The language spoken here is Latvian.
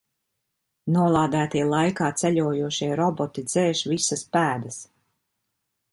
Nolādētie laikā ceļojošie roboti dzēš visas pēdas.